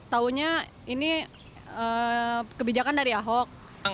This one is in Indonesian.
tahunya ini kebijakan dari ahok